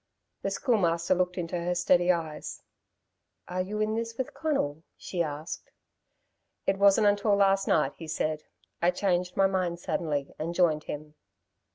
The Schoolmaster looked into her steady eyes. "Are you in this with Conal?" she asked. "I wasn't until last night," he said. "I changed my mind suddenly and joined him."